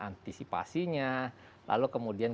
antisipasinya lalu kemudian